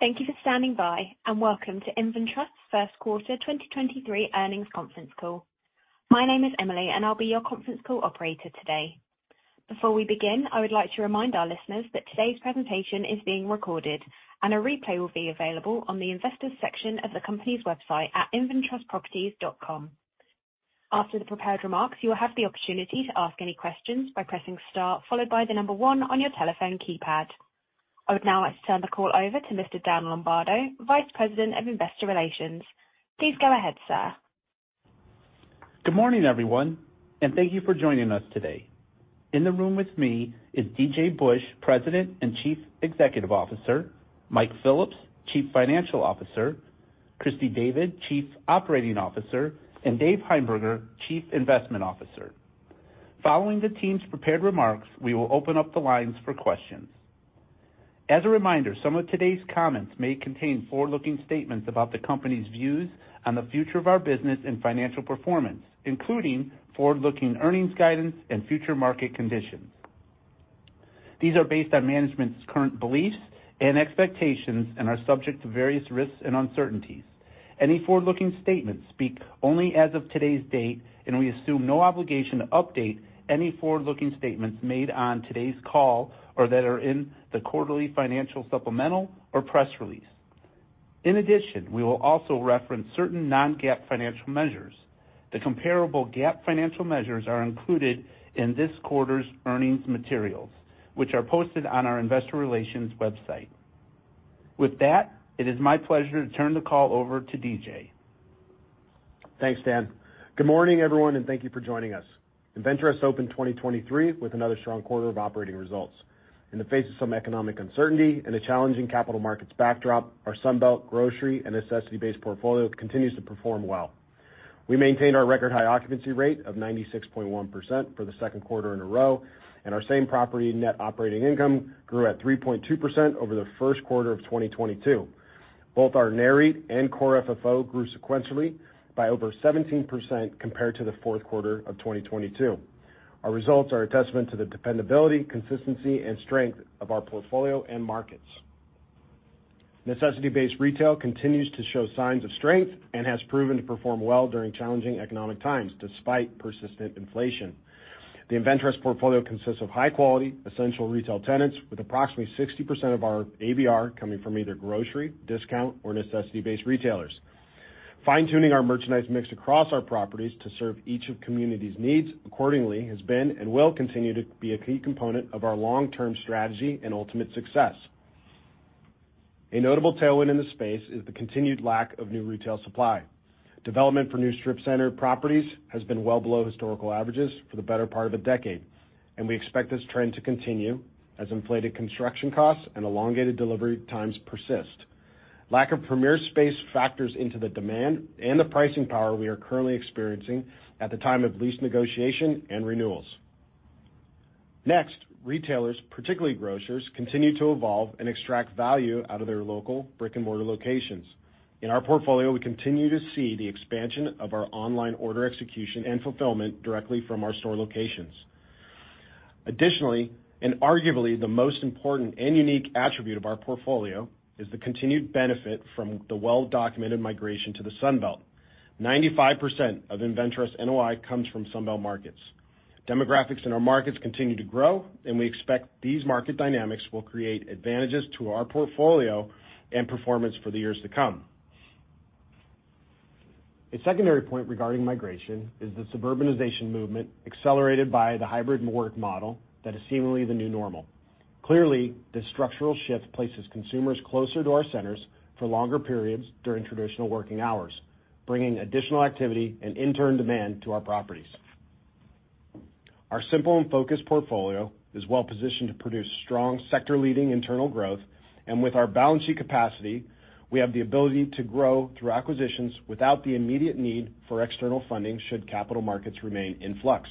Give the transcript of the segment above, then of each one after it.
Thank you for standing by, and welcome to InvenTrust First Quarter 2023 Earnings Conference Call. My name is Emily, and I'll be your conference call operator today. Before we begin, I would like to remind our listeners that today's presentation is being recorded and a replay will be available on the investors section of the company's website at inventrustproperties.com. After the prepared remarks, you will have the opportunity to ask any questions by pressing star followed by the number one on your telephone keypad. I would now like to turn the call over to Mr. Dan Lombardo, Vice President of Investor Relations. Please go ahead, sir. Good morning, everyone, and thank you for joining us today. In the room with me is DJ Busch, President and Chief Executive Officer, Mike Phillips, Chief Financial Officer, Christy David, Chief Operating Officer, and Dave Heimberger, Chief Investment Officer. Following the team's prepared remarks, we will open up the lines for questions. As a reminder, some of today's comments may contain forward-looking statements about the company's views on the future of our business and financial performance, including forward-looking earnings guidance and future market conditions. These are based on management's current beliefs and expectations and are subject to various risks and uncertainties. Any forward-looking statements speak only as of today's date. We assume no obligation to update any forward-looking statements made on today's call or that are in the quarterly financial supplemental or press release. In addition, we will also reference certain non-GAAP financial measures. The comparable GAAP financial measures are included in this quarter's earnings materials, which are posted on our investor relations website. With that, it is my pleasure to turn the call over to DJ. Thanks, Dan. Good morning, everyone, and thank you for joining us. InvenTrust opened 2023 with another strong quarter of operating results. In the face of some economic uncertainty and a challenging capital markets backdrop, our Sun Belt grocery and necessity-based portfolio continues to perform well. We maintained our record-high occupancy rate of 96.1% for the second quarter in a row, and our Same Property NOI grew at 3.2% over the first quarter of 2022. Both our NAREIT and Core FFO grew sequentially by over 17% compared to the fourth quarter of 2022. Our results are a testament to the dependability, consistency and strength of our portfolio and markets. Necessity-based retail continues to show signs of strength and has proven to perform well during challenging economic times despite persistent inflation. The InvenTrust portfolio consists of high quality, essential retail tenants with approximately 60% of our ABR coming from either grocery, discount or necessity-based retailers. Fine-tuning our merchandise mix across our properties to serve each of community's needs accordingly has been and will continue to be a key component of our long-term strategy and ultimate success. A notable tailwind in the space is the continued lack of new retail supply. Development for new strip center properties has been well below historical averages for the better part of a decade. We expect this trend to continue as inflated construction costs and elongated delivery times persist. Lack of premier space factors into the demand and the pricing power we are currently experiencing at the time of lease negotiation and renewals. Next, retailers, particularly grocers, continue to evolve and extract value out of their local brick-and-mortar locations. In our portfolio, we continue to see the expansion of our online order execution and fulfillment directly from our store locations. Additionally, and arguably the most important and unique attribute of our portfolio, is the continued benefit from the well-documented migration to the Sun Belt. 95% of InvenTrust NOI comes from Sun Belt markets. Demographics in our markets continue to grow, and we expect these market dynamics will create advantages to our portfolio and performance for the years to come. A secondary point regarding migration is the suburbanization movement accelerated by the hybrid work model that is seemingly the new normal. Clearly, this structural shift places consumers closer to our centers for longer periods during traditional working hours, bringing additional activity and in turn demand to our properties. Our simple and focused portfolio is well-positioned to produce strong sector-leading internal growth. With our balance sheet capacity, we have the ability to grow through acquisitions without the immediate need for external funding should capital markets remain in flux.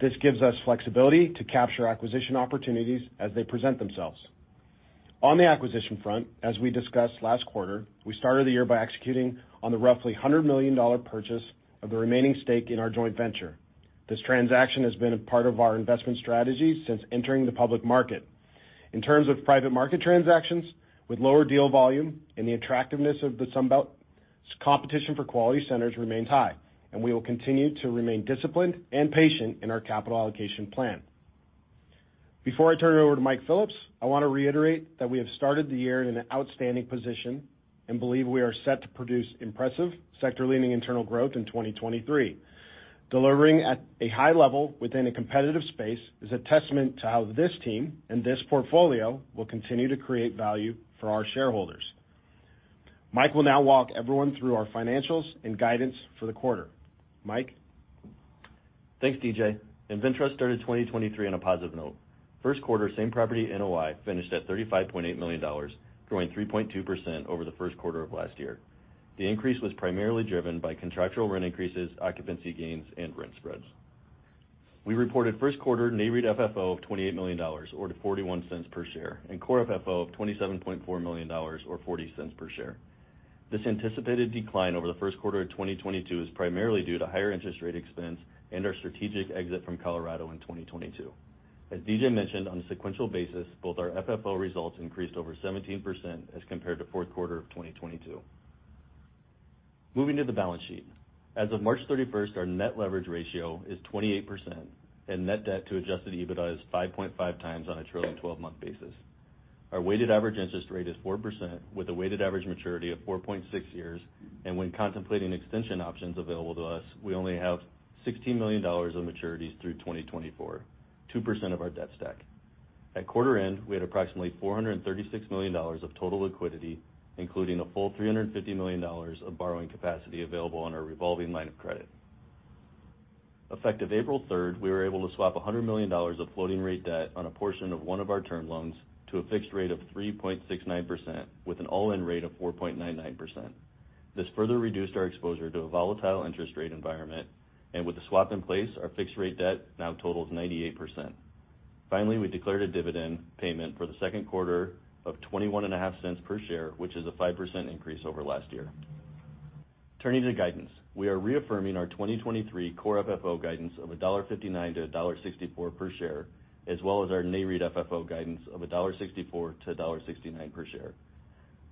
This gives us flexibility to capture acquisition opportunities as they present themselves. On the acquisition front, as we discussed last quarter, we started the year by executing on the roughly $100 million purchase of the remaining stake in our joint venture. This transaction has been a part of our investment strategy since entering the public market. In terms of private market transactions, with lower deal volume and the attractiveness of the Sun Belt, competition for quality centers remains high. We will continue to remain disciplined and patient in our capital allocation plan. Before I turn it over to Mike Phillips, I want to reiterate that we have started the year in an outstanding position and believe we are set to produce impressive sector-leading internal growth in 2023. Delivering at a high level within a competitive space is a testament to how this team and this portfolio will continue to create value for our shareholders. Mike will now walk everyone through our financials and guidance for the quarter. Mike? Thanks, DJ. InvenTrust started 2023 on a positive note. First quarter Same Property NOI finished at $35.8 million, growing 3.2% over the first quarter of last year. The increase was primarily driven by contractual rent increases, occupancy gains and rent spreads. We reported first quarter NAREIT FFO of $28 million or 0.41 per share, and Core FFO of $27.4 million or 0.40 per share. This anticipated decline over the 1st quarter of 2022 is primarily due to higher interest rate expense and our strategic exit from Colorado in 2022. As DJ mentioned, on a sequential basis, both our FFO results increased over 17% as compared to 4th quarter of 2022. Moving to the balance sheet. As of March 31st, our net leverage ratio is 28% and net debt to adjusted EBITDA is 5.5 times on a trailing twelve-month basis. Our weighted average interest rate is 4% with a weighted average maturity of 4.6 years. When contemplating extension options available to us, we only have $16 million of maturities through 2024, 2% of our debt stack. At quarter end, we had approximately $436 million of total liquidity, including a full $350 million of borrowing capacity available on our revolving line of credit. Effective April 3rd, we were able to swap $100 million of floating rate debt on a portion of one of our term loans to a fixed rate of 3.69% with an all-in rate of 4.99%. This further reduced our exposure to a volatile interest rate environment. With the swap in place, our fixed rate debt now totals 98%. Finally, we declared a dividend payment for the second quarter of twenty-one and a half cents per share, which is a 5% increase over last year. Turning to guidance. We are reaffirming our 2023 Core FFO guidance of $1.59-$1.64 per share, as well as our NAREIT FFO guidance of $1.64-$1.69 per share.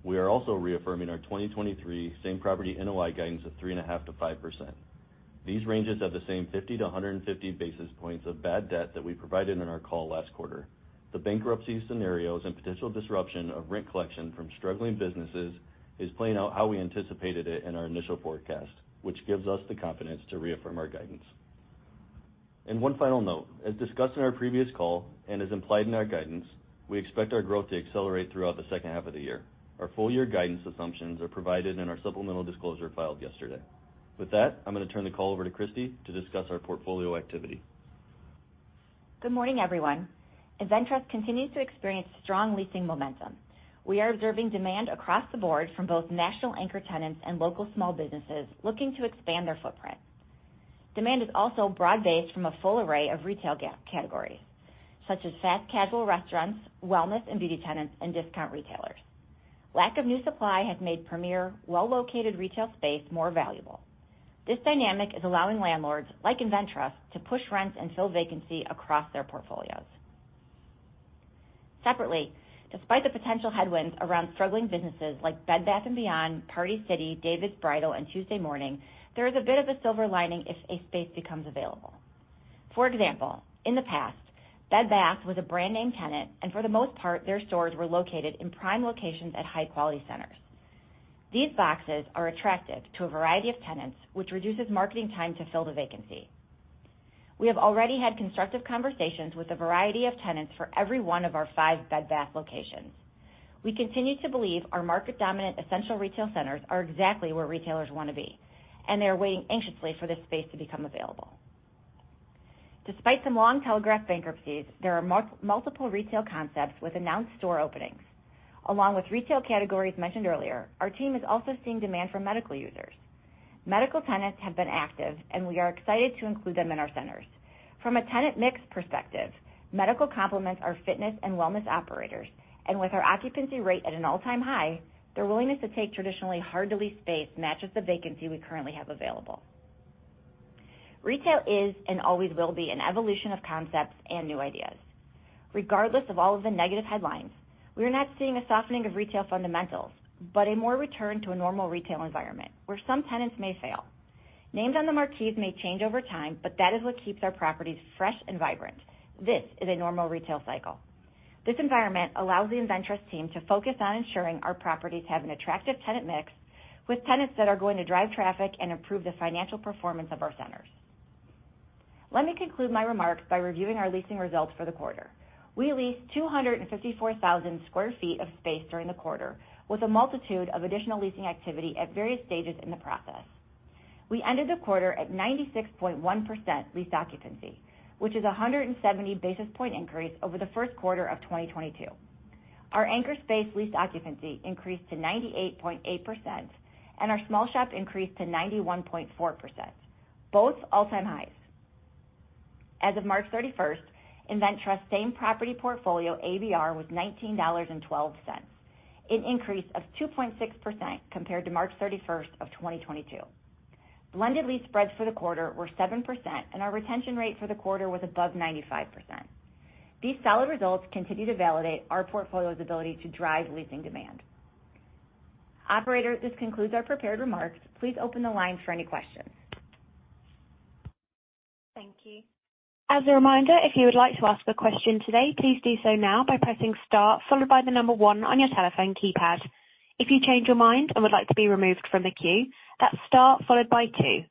We are also reaffirming our 2023 Same Property NOI guidance of 3.5%-5%. These ranges have the same 50-150 basis points of bad debt that we provided in our call last quarter. The bankruptcy scenarios and potential disruption of rent collection from struggling businesses is playing out how we anticipated it in our initial forecast, which gives us the confidence to reaffirm our guidance. One final note. As discussed in our previous call and as implied in our guidance, we expect our growth to accelerate throughout the second half of the year. Our full year guidance assumptions are provided in our supplemental disclosure filed yesterday. With that, I'm going to turn the call over to Christy to discuss our portfolio activity. Good morning, everyone. InvenTrust continues to experience strong leasing momentum. We are observing demand across the board from both national anchor tenants and local small businesses looking to expand their footprint. Demand is also broad-based from a full array of retail categories, such as fast casual restaurants, wellness and beauty tenants, and discount retailers. Lack of new supply has made premier well-located retail space more valuable. This dynamic is allowing landlords like InvenTrust to push rents and fill vacancy across their portfolios. Separately, despite the potential headwinds around struggling businesses like Bed Bath & Beyond, Party City, David's Bridal, and Tuesday Morning, there is a bit of a silver lining if a space becomes available. For example, in the past, Bed Bath was a brand name tenant, and for the most part, their stores were located in prime locations at high-quality centers. These boxes are attractive to a variety of tenants, which reduces marketing time to fill the vacancy. We have already had constructive conversations with a variety of tenants for every one of our five Bed Bath locations. We continue to believe our market dominant essential retail centers are exactly where retailers want to be, and they are waiting anxiously for this space to become available. Despite some long-telegraphed bankruptcies, there are multiple retail concepts with announced store openings. Along with retail categories mentioned earlier, our team is also seeing demand from medical users. Medical tenants have been active, and we are excited to include them in our centers. From a tenant mix perspective, medical complements our fitness and wellness operators, and with our occupancy rate at an all-time high, their willingness to take traditionally hard-to-lease space matches the vacancy we currently have available. Retail is and always will be an evolution of concepts and new ideas. Regardless of all of the negative headlines, we are not seeing a softening of retail fundamentals, but a more return to a normal retail environment where some tenants may fail. Names on the marquees may change over time, that is what keeps our properties fresh and vibrant. This is a normal retail cycle. This environment allows the InvenTrust team to focus on ensuring our properties have an attractive tenant mix with tenants that are going to drive traffic and improve the financial performance of our centers. Let me conclude my remarks by reviewing our leasing results for the quarter. We leased 254,000 sq ft of space during the quarter with a multitude of additional leasing activity at various stages in the process. We ended the quarter at 96.1% lease occupancy, which is a 170 basis point increase over the first quarter of 2022. Our anchor space lease occupancy increased to 98.8% and our small shop increased to 91.4%, both all-time highs. As of March 31st, InvenTrust same property portfolio ABR was $19.12, an increase of 2.6% compared to March 31st of 2022. Blended lease spreads for the quarter were 7%. Our retention rate for the quarter was above 95%. These solid results continue to validate our portfolio's ability to drive leasing demand. Operator, this concludes our prepared remarks. Please open the line for any questions. Thank you. As a reminder, if you would like to ask a question today, please do so now by pressing star followed by 1 on your telephone keypad. If you change your mind and would like to be removed from the queue, that's star followed by two.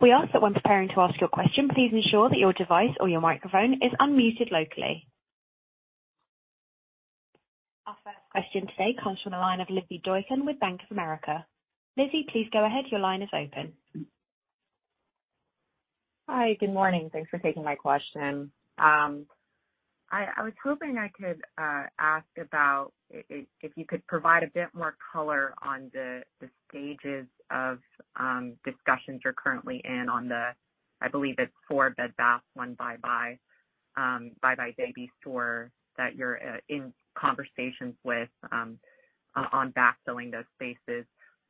We ask that when preparing to ask your question, please ensure that your device or your microphone is unmuted locally. Our first question today comes from the line of Lizzy Doykan with Bank of America. Lizzie, please go ahead. Your line is open. Hi. Good morning. Thanks for taking my question. I was hoping I could ask about if you could provide a bit more color on the stages of discussions you're currently in on the, I believe it's four Bed Bath, 1 buybuy BABY store that you're in conversations with on backfilling those spaces.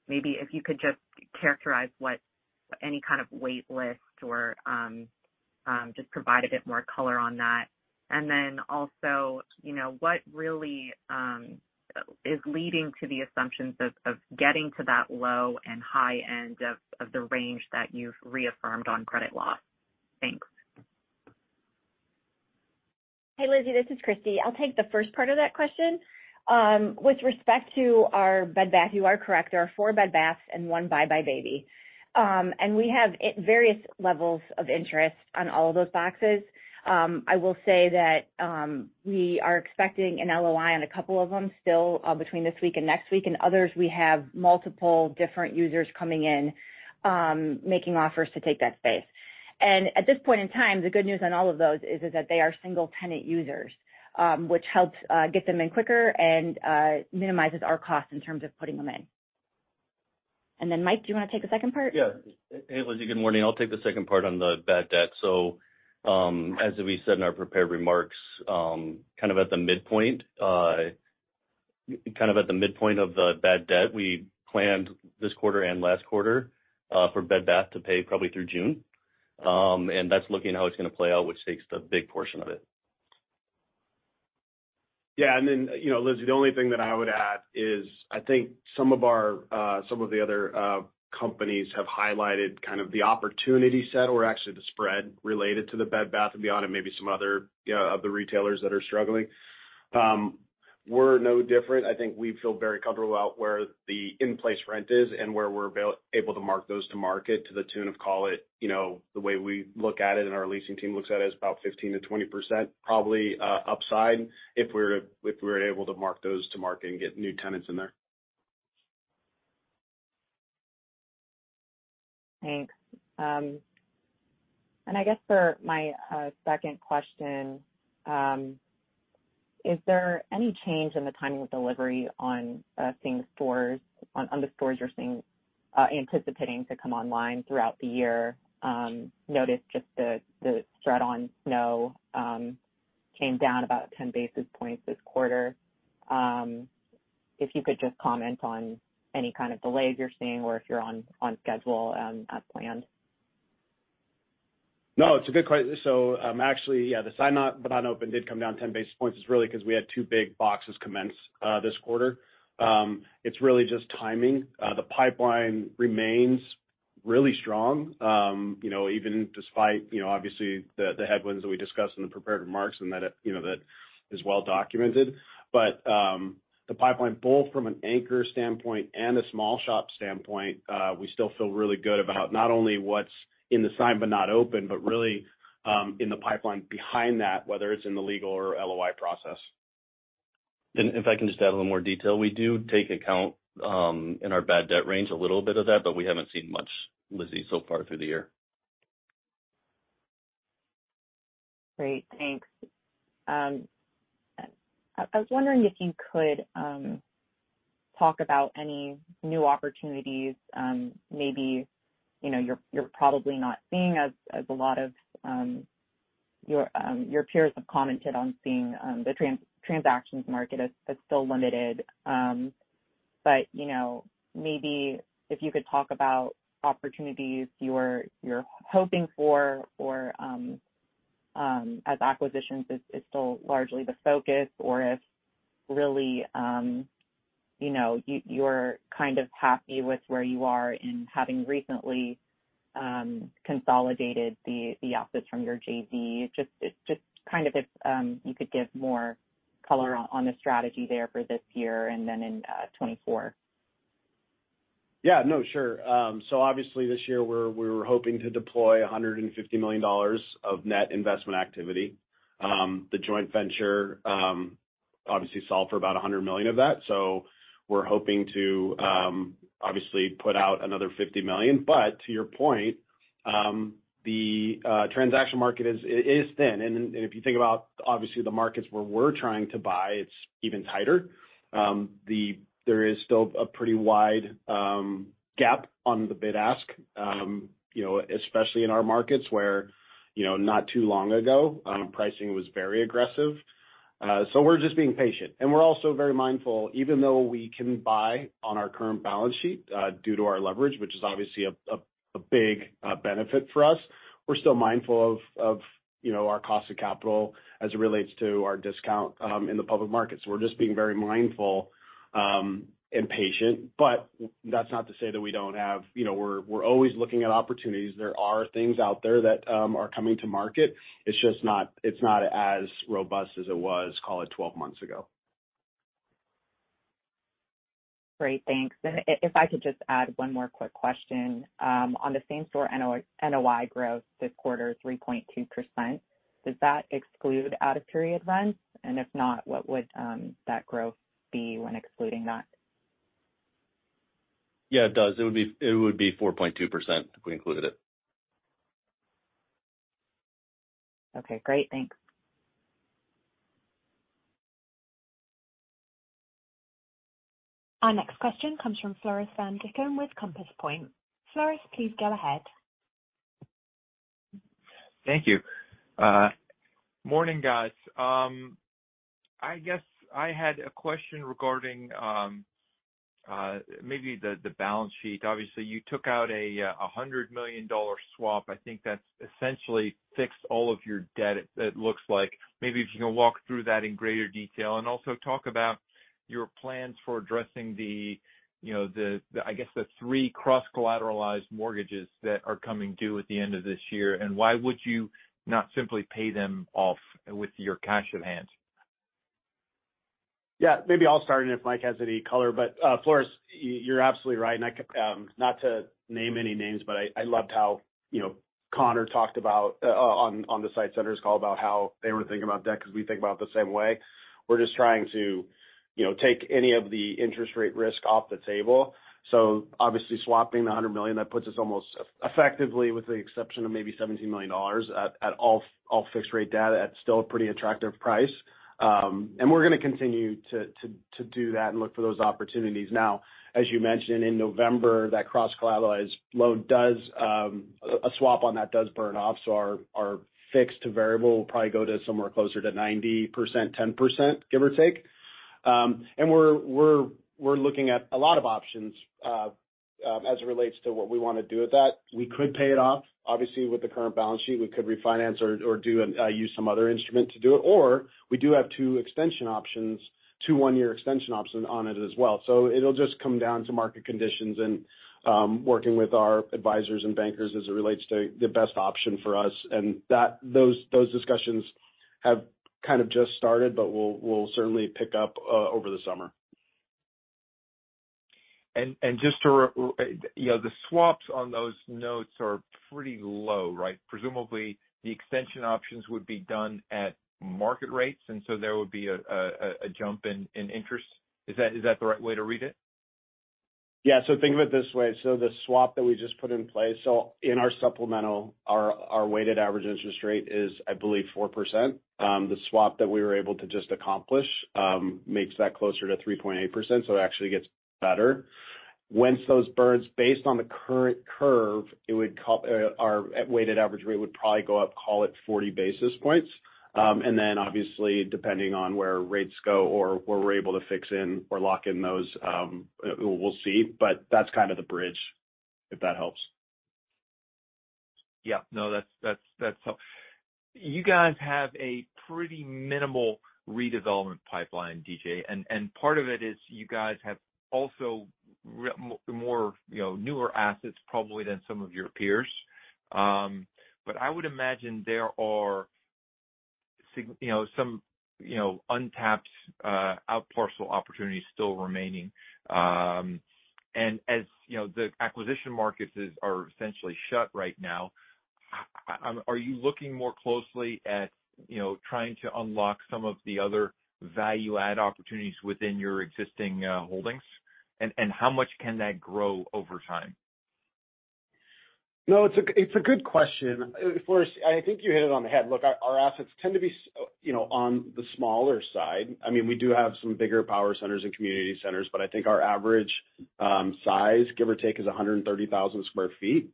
Maybe if you could just characterize what any kind of wait list or just provide a bit more color on that. Also, you know, what really is leading to the assumptions of getting to that low and high end of the range that you've reaffirmed on credit loss? Thanks. Hey, Lizzie, this is Christy. I'll take the first part of that question. With respect to our Bed Bath, you are correct. There are four Bed Baths and one buybuy BABY. We have various levels of interest on all of those boxes. I will say that we are expecting an LOI on a couple of them still between this week and next week, and others, we have multiple different users coming in making offers to take that space. At this point in time, the good news on all of those is that they are single-tenant users, which helps get them in quicker and minimizes our costs in terms of putting them in. Mike, do you wanna take the second part? Hey, Lizzie, good morning. I'll take the second part on the bad debt. As we said in our prepared remarks, kind of at the midpoint of the bad debt, we planned this quarter and last quarter, for Bed Bath to pay probably through June. That's looking at how it's gonna play out, which takes the big portion of it. Yeah. Then, you know, Lizzie, the only thing that I would add is I think some of our, some of the other, companies have highlighted kind of the opportunity set or actually the spread related to the Bed Bath & Beyond and maybe some other, of the retailers that are struggling. We're no different. I think we feel very comfortable about where the in-place rent is and where we're able to mark those to market to the tune of, call it, you know, the way we look at it and our leasing team looks at it, is about 15%-20% probably, upside if we're able to mark those to market and get new tenants in there. Thanks. I guess for my second question, is there any change in the timing of delivery on the stores you're seeing anticipating to come online throughout the year? Noticed just the spread on SNO came down about 10 basis points this quarter. If you could just comment on any kind of delays you're seeing or if you're on schedule as planned. No, it's a good. Actually, yeah, the signed but not open did come down 10 basis points. It's really 'cause we had two big boxes commence this quarter. It's really just timing. The pipeline remains really strong, you know, even despite, you know, obviously the headwinds that we discussed in the prepared remarks and that it, you know, that is well documented. The pipeline both from an anchor standpoint and a small shop standpoint, we still feel really good about not only what's in the signed but not open, but really in the pipeline behind that, whether it's in the legal or LOI process. If I can just add a little more detail. We do take account in our bad debt range, a little bit of that, but we haven't seen much, Lizzie, so far through the year. Great. Thanks. I was wondering if you could talk about any new opportunities, maybe, you know, you're probably not seeing as a lot of your peers have commented on seeing the transactions market as still limited. You know, maybe if you could talk about opportunities you're hoping for or as acquisitions is still largely the focus or if really, you know, you're kind of happy with where you are in having recently consolidated the office from your JV. Just kind of if you could give more color on the strategy there for this year and then in 2024. Yeah. No, sure. Obviously this year we're, we were hoping to deploy $150 million of net investment activity. The joint venture obviously solved for about 100 million of that. We're hoping to obviously put out another 50 million. To your point, the transaction market it is thin. If you think about obviously the markets where we're trying to buy, it's even tighter. There is still a pretty wide gap on the bid-ask, you know, especially in our markets where, you know, not too long ago, pricing was very aggressive. We're just being patient. We're also very mindful, even though we can buy on our current balance sheet, due to our leverage, which is obviously a big benefit for us, we're still mindful of, you know, our cost of capital as it relates to our discount in the public market. We're just being very mindful and patient. That's not to say that we don't have... You know, we're always looking at opportunities. There are things out there that are coming to market. It's just not as robust as it was, call it, 12 months ago. Great. Thanks. If I could just add one more quick question. On the same-store NOI growth this quarter, 3.2%, does that exclude out of period rents? If not, what would that growth be when excluding that? It does. It would be 4.2% if we included it. Okay, great. Thanks. Our next question comes from Floris van Dijkum with Compass Point. Floris, please go ahead. Thank you. Morning, guys. I guess I had a question regarding maybe the balance sheet. Obviously, you took out a $100 million swap. I think that's essentially fixed all of your debt, it looks like. Maybe if you can walk through that in greater detail, and also talk about your plans for addressing the, you know, the, I guess, the 3 cross-collateralized mortgages that are coming due at the end of this year, and why would you not simply pay them off with your cash on hand? Yeah. Maybe I'll start, and if Mike has any color. Floris, you're absolutely right. I, not to name any names, but I loved how, you know, Conor talked about on the SITE Centers call about how they were thinking about debt, because we think about it the same way. We're just trying to, you know, take any of the interest rate risk off the table. Obviously, swapping the 100 million, that puts us almost effectively, with the exception of maybe $17 million at all fixed-rate debt at still a pretty attractive price. And we're gonna continue to do that and look for those opportunities. Now, as you mentioned, in November, that cross-collateralized loan does a swap on that does burn off. Our fixed to variable will probably go to somewhere closer to 90%, 10%, give or take. We're looking at a lot of options as it relates to what we wanna do with that. We could pay it off. Obviously, with the current balance sheet, we could refinance or do use some other instrument to do it, or we do have two extension options, two one-year extension option on it as well. It'll just come down to market conditions and working with our advisors and bankers as it relates to the best option for us. Those discussions have kind of just started, but we'll certainly pick up over the summer. You know, the swaps on those notes are pretty low, right? Presumably, the extension options would be done at market rates, and so there would be a jump in interest. Is that the right way to read it? Yeah. Think of it this way. The swap that we just put in place. In our supplemental, our weighted average interest rate is, I believe, 4%. The swap that we were able to just accomplish makes that closer to 3.8%, so it actually gets better. Once those burns, based on the current curve, it would our weighted average rate would probably go up, call it 40 basis points. Obviously, depending on where rates go or where we're able to fix in or lock in those, we'll see. That's kind of the bridge, if that helps. Yeah. No, that's help. You guys have a pretty minimal redevelopment pipeline, DJ, and part of it is you guys have also more, you know, newer assets probably than some of your peers. I would imagine there are some, you know, untapped out parcel opportunities still remaining. As, you know, the acquisition markets is, are essentially shut right now, are you looking more closely at, you know, trying to unlock some of the other value add opportunities within your existing holdings? How much can that grow over time? It's a good question. Floris, I think you hit it on the head. Our assets tend to be you know, on the smaller side. I mean, we do have some bigger power centers and community centers, but I think our average size, give or take, is 130,000 square feet.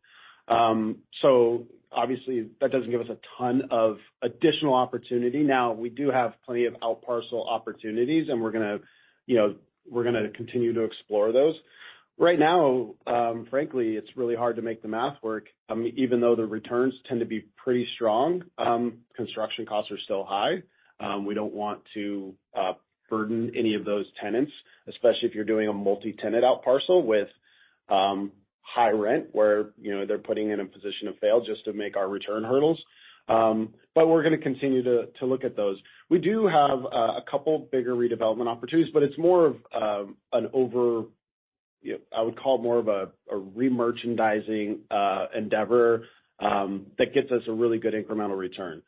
Obviously that doesn't give us a ton of additional opportunity. We do have plenty of out parcel opportunities, and we're gonna, you know, we're gonna continue to explore those. Right now, frankly, it's really hard to make the math work, even though the returns tend to be pretty strong. Construction costs are still high. We don't want to burden any of those tenants, especially if you're doing a multi-tenant out parcel with high rent where, you know, they're putting in a position of fail just to make our return hurdles. We're gonna continue to look at those. We do have a couple bigger redevelopment opportunities, but it's more of an over, you know, I would call more of a remerchandising endeavor that gets us a really good incremental return.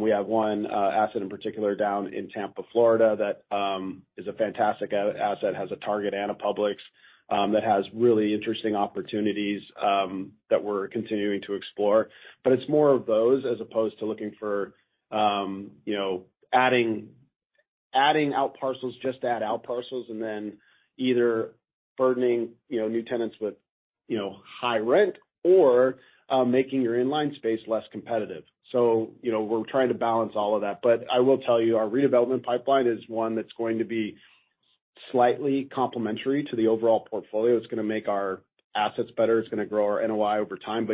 We have one asset in particular down in Tampa, Florida, that is a fantastic asset, has a Target and a Publix, that has really interesting opportunities that we're continuing to explore. It's more of those as opposed to looking for, you know, adding out parcels just to add out parcels and then either burdening, you know, new tenants with, you know, high rent or making your in-line space less competitive. You know, we're trying to balance all of that. I will tell you, our redevelopment pipeline is one that's going to be slightly complementary to the overall portfolio. It's gonna make our assets better. It's gonna grow our NOI over time.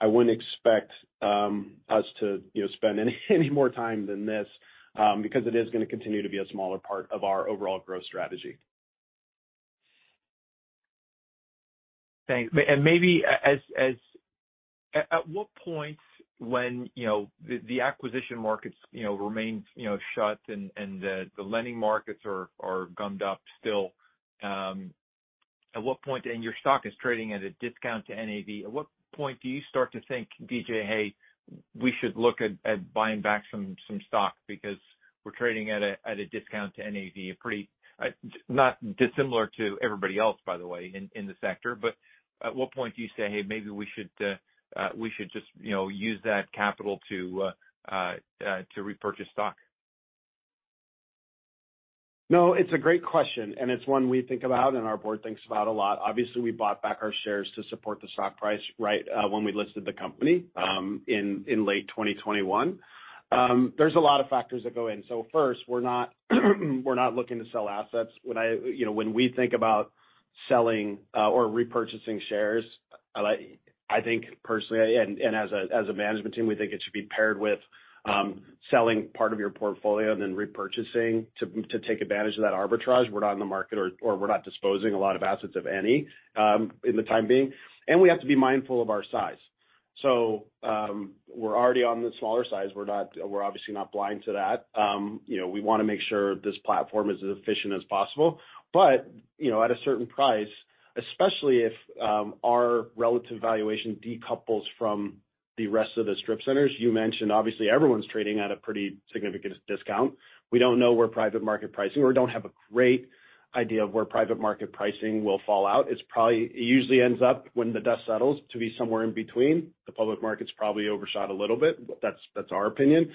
I wouldn't expect us to, you know, spend any more time than this because it is gonna continue to be a smaller part of our overall growth strategy. Thanks. Maybe at what point when, you know, the acquisition markets, you know, remain, you know, shut and the lending markets are gummed up still, and your stock is trading at a discount to NAV. At what point do you start to think, DJ, hey, we should look at buying back some stock because we're trading at a discount to NAV, a pretty not dissimilar to everybody else, by the way, in the sector. At what point do you say, "Hey, maybe we should just, you know, use that capital to repurchase stock? No, it's a great question, and it's one we think about and our board thinks about a lot. Obviously, we bought back our shares to support the stock price, right, when we listed the company, in late 2021. There's a lot of factors that go in. First, we're not looking to sell assets. You know, when we think about selling, or repurchasing shares, I think personally, and as a management team, we think it should be paired with, selling part of your portfolio than repurchasing to take advantage of that arbitrage. We're not in the market or we're not disposing a lot of assets of any, in the time being. We have to be mindful of our size. We're already on the smaller size. We're obviously not blind to that. You know, we wanna make sure this platform is as efficient as possible. You know, at a certain price, especially if our relative valuation decouples from the rest of the strip centers, you mentioned, obviously everyone's trading at a pretty significant discount. We don't have a great idea of where private market pricing will fall out. It usually ends up when the dust settles to be somewhere in between. The public market's probably overshot a little bit. That's our opinion.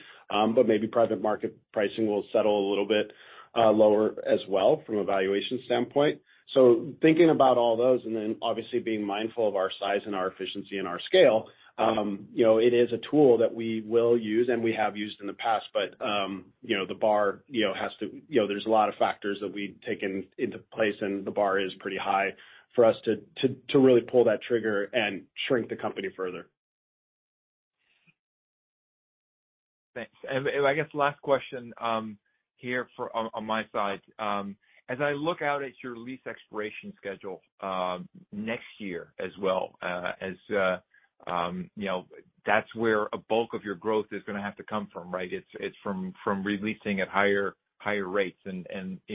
Maybe private market pricing will settle a little bit lower as well from a valuation standpoint. Thinking about all those and then obviously being mindful of our size and our efficiency and our scale, you know, it is a tool that we will use and we have used in the past. You know, the bar, you know, there's a lot of factors that we take in, into place, and the bar is pretty high for us to really pull that trigger and shrink the company further. Thanks. I guess last question, here on my side. As I look out at your lease expiration schedule, next year as well, as, you know, that's where a bulk of your growth is gonna have to come from, right? It's from re-leasing at higher rates, and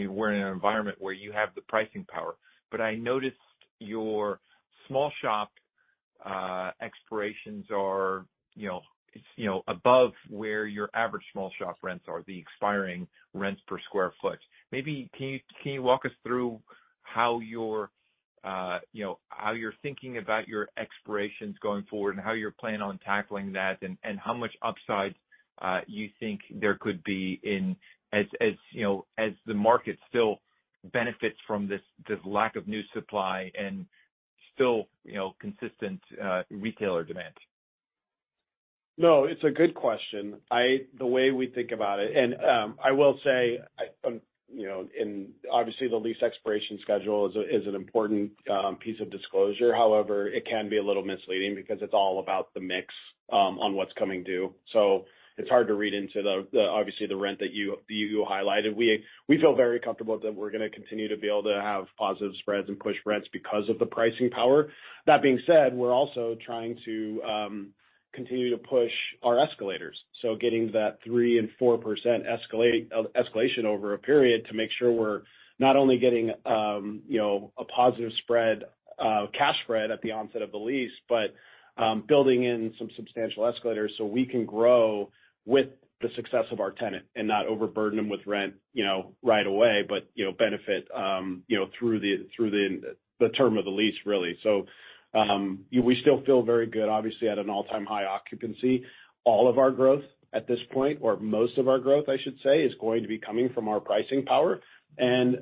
we're in an environment where you have the pricing power. I noticed your small shop expirations are, you know, above where your average small shop rents are, the expiring rents per square foot. Maybe can you walk us through how your, you know, how you're thinking about your expirations going forward and how you're planning on tackling that, and how much upside you think there could be in... as, you know, as the market still benefits from this lack of new supply and still, you know, consistent retailer demand. No, it's a good question. The way we think about it. I will say, I, you know, and obviously the lease expiration schedule is an important piece of disclosure. However, it can be a little misleading because it's all about the mix on what's coming due. It's hard to read into the obviously the rent that you highlighted. We feel very comfortable that we're gonna continue to be able to have positive spreads and push rents because of the pricing power. That being said, we're also trying to continue to push our escalators. Getting that 3% and 4% escalation over a period to make sure we're not only getting, you know, a positive spread, cash spread at the onset of the lease, but, building in some substantial escalators so we can grow with the success of our tenant and not overburden them with rent, right away, but, benefit, through the, through the term of the lease, really. We still feel very good, obviously, at an all-time high occupancy. All of our growth at this point, or most of our growth, I should say, is going to be coming from our pricing power, and,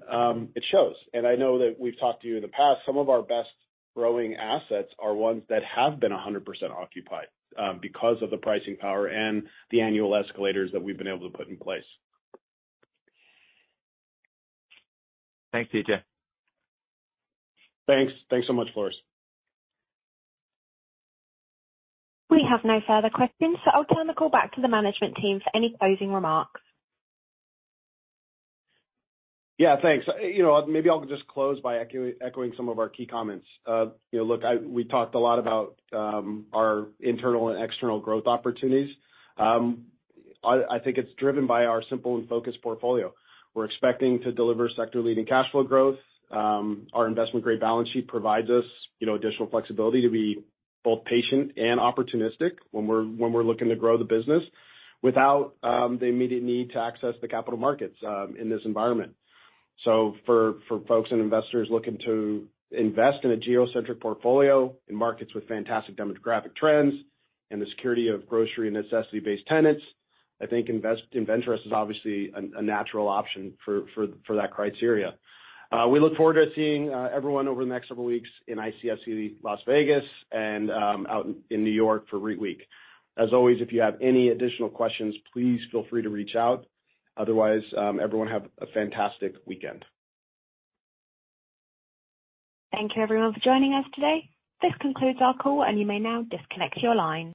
it shows. I know that we've talked to you in the past, some of our best growing assets are ones that have been 100% occupied because of the pricing power and the annual escalators that we've been able to put in place. Thanks, DJ. Thanks. Thanks so much, Floris. We have no further questions, so I'll turn the call back to the management team for any closing remarks. Yeah, thanks. You know, maybe I'll just close by echoing some of our key comments. You know, look, we talked a lot about our internal and external growth opportunities. I think it's driven by our simple and focused portfolio. We're expecting to deliver sector-leading cash flow growth. Our investment-grade balance sheet provides us, you know, additional flexibility to be both patient and opportunistic when we're looking to grow the business without the immediate need to access the capital markets in this environment. For folks and investors looking to invest in a geocentric portfolio in markets with fantastic demographic trends and the security of grocery and necessity-based tenants, I think InvenTrust is obviously a natural option for that criteria. We look forward to seeing everyone over the next several weeks in ICSC Las Vegas and out in New York for REITWeek. As always, if you have any additional questions, please feel free to reach out. Otherwise, everyone have a fantastic weekend. Thank you everyone for joining us today. This concludes our call. You may now disconnect your lines.